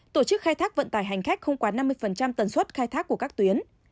tổ chức khai thác vận tải hành khách không quá năm mươi tần suất khai thác của các tuyến